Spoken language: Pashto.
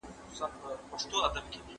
¬ څه مور لنگه، څه ترور لنگه.